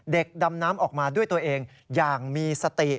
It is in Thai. ดำน้ำออกมาด้วยตัวเองอย่างมีสติ